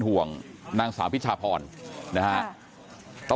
กลุ่มตัวเชียงใหม่